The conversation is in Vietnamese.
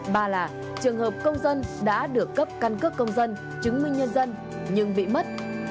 ba là trường hợp công dân đã được cấp căn cước công dân chứng minh nhân dân nhưng bị mất